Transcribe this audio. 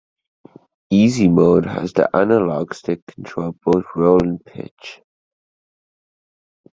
Easy Mode has the analogue stick control both roll and pitch.